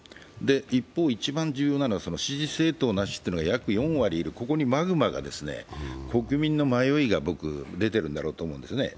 一方、一番重要なのは支持政党なしというのが約４割いる、ここにマグマが国民の迷いが出ているんだろうと思うんですね。